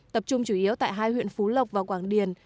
tập trung chủ yếu tại hai huyện phú lộc và quảng điền